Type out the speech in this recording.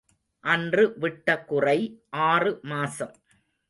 அன்று விட்ட குறை ஆறு மாசம்.